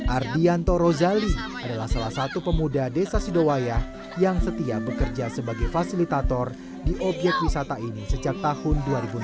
ardianto rozali adalah salah satu pemuda desa sidowaya yang setia bekerja sebagai fasilitator di obyek wisata ini sejak tahun dua ribu enam belas